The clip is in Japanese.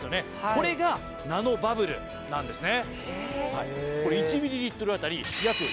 これがナノバブルなんですね。